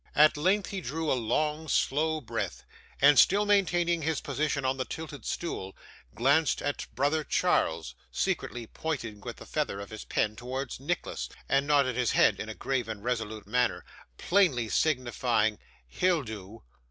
At length, he drew a long slow breath, and still maintaining his position on the tilted stool, glanced at brother Charles, secretly pointed with the feather of his pen towards Nicholas, and nodded his head in a grave and resolute manner, plainly signifying 'He'll do.